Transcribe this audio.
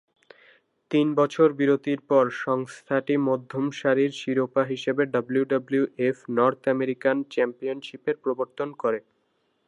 তিন বছর বিরতির পর সংস্থাটি মধ্যম সারির শিরোপা হিসেবে ডাব্লিউডাব্লিউএফ নর্থ আমেরিকান চ্যাম্পিয়নশিপের প্রবর্তন করে।